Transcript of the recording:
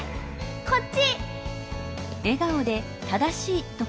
こっち！